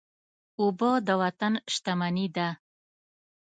اوبه د وطن شتمني ده.